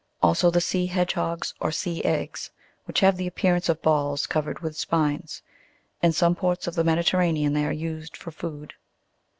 Also, the sea hedge hogs or sea eggs, which have the appearance of balls covered with spines ; in some ports of the Mediterranean Fig, 85. SEA STAR. they are used for food.